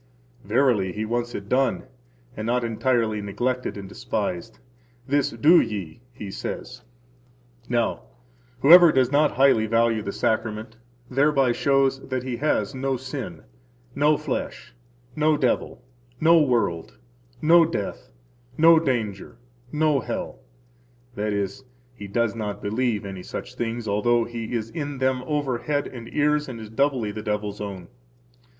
Verily, He wants it done, and not entirely neglected and despised. This do ye, He says. Now, whoever does not highly value the Sacrament thereby shows that he has no sin, no flesh, no devil, no world, no death, no danger, no hell; that is, he does not believe any such things, although he is in them over head and ears and is doubly the devil's own.